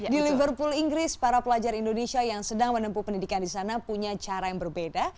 di liverpool inggris para pelajar indonesia yang sedang menempuh pendidikan di sana punya cara yang berbeda